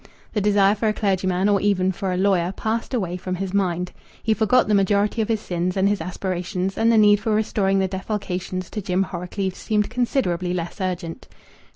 The desire for a clergyman, or even for a lawyer, passed away from his mind; he forgot the majority of his sins and his aspirations, and the need for restoring the defalcations to Jim Horrocleave seemed considerably less urgent.